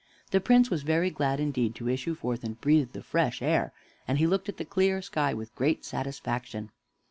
The Prince was very glad indeed to issue forth and breathe the fresh air, and he looked at the clear sky with great satisfaction.